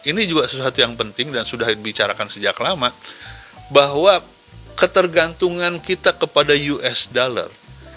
ini juga sesuatu yang penting dan sudah dibicarakan sejak lama bahwa ketergantungan kita kepada us dollar